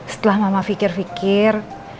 setelah mama fikir fikir